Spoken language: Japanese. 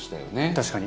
確かに。